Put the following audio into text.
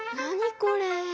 これ。